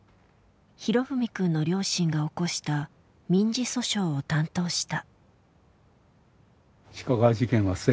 裕史くんの両親が起こした民事訴訟を担当した。